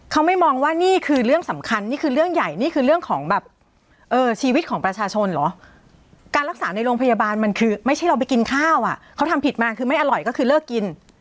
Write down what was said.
เขาไม่มองว่านี่คือเรื่องสำคัญนี่คือเรื่องใหญ่นี่คือเรื่องของแบบชีวิตของประชาชนเหรอการรักษาในโรงพยาบาลมันคือไม่ใช่เราไปกินข้าวอ่ะเขาทำผิดมาคือไม่อร่อยก็คือเลิกกิน